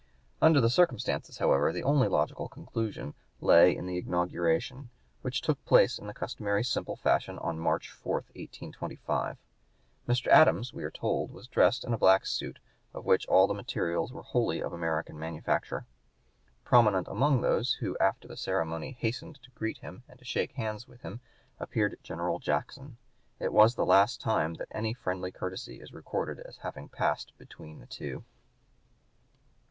Under the circumstances, however, the only logical conclusion lay in the inauguration, which took place in the customary simple fashion on March 4, 1825. Mr. Adams, we are told, was dressed in a black suit, of which all the materials were wholly of American manufacture. Prominent among those who after the ceremony hastened to greet him and to shake hands with him appeared General Jackson. It was the last time that any friendly courtesy is recorded as having passed between the two.